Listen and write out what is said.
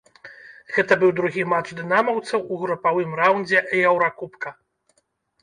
Гэта быў другі матч дынамаўцаў у групавым раўндзе еўракубка.